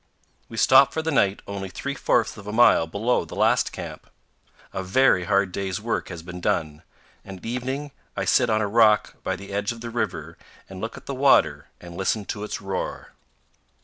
We stop for the night only three fourths of a mile below the last camp. A very hard day's work has been done, and at evening I sit on a rock by the edge of the river and look at the water and listen to its roar.